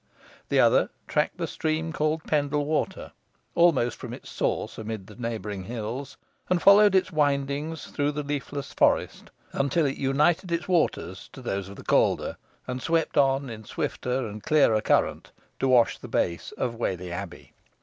The other tracked the stream called Pendle Water, almost from its source amid the neighbouring hills, and followed its windings through the leafless forest, until it united its waters to those of the Calder, and swept on in swifter and clearer current, to wash the base of Whalley Abbey.